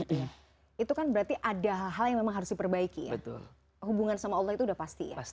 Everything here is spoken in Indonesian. selalu merasa gak cukup itu kan berarti ada hal yang harus diperbaiki hubungan sama allah itu udah pasti